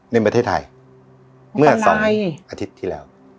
ในประเทศไทยเมื่อ๒อาทิตย์ที่แล้ว